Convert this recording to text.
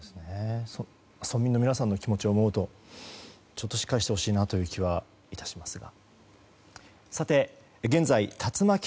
村民の皆さんの気持ちを思うとしっかりしてほしいなという気はいたしますが。